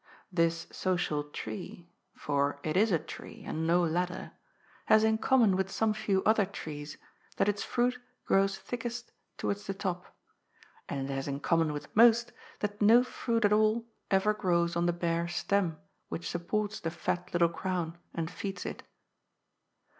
This social tree, for it is a tree, and no ladder, has in common with some few other trees that its fruit grows thickest towards the top, and it has in common with most, that no fruit at all ever grows on the bare stem which supports the fat little crown, and feeds it.